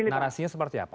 narasinya seperti apa